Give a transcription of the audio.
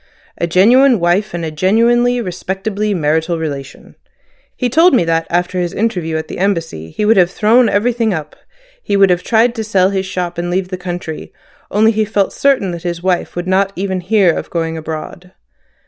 "A genuine wife and a genuinely, respectably, marital relation. He told me that after his interview at the Embassy he would have thrown everything up, would have tried to sell his shop, and leave the country, only he felt certain that his wife would not even hear of going abroad.